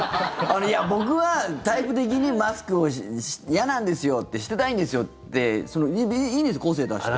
僕はタイプ的にマスク嫌なんですよってしてたいんですよっていいんです、個性出して。